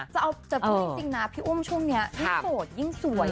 จะพูดอีกสิ่งนะพี่อุ้มช่วงนี้ยิ่งโสดยิ่งสวย